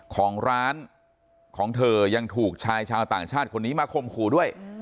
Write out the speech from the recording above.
ของร้านของเธอยังถูกชายชาวต่างชาติคนนี้มาข่มขู่ด้วย